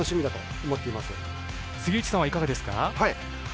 杉内さんはいかがですか？